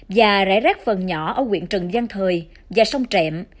và rải rác phần nhỏ ở quyện trần giang thời và sông trẹm